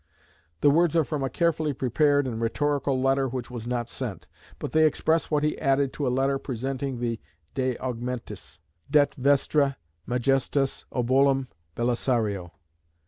The words are from a carefully prepared and rhetorical letter which was not sent, but they express what he added to a letter presenting the De Augmentis; "det Vestra Majestas obolum Belisario."